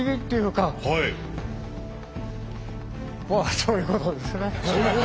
そういうことです。